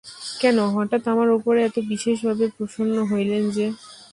কেন, হঠাৎ আমার উপরে এত বিশেষভাবে প্রসন্ন হইলেন যে?